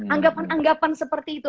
anggapan anggapan seperti itu